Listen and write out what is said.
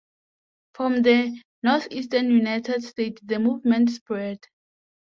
From the northeastern United States the movement spread.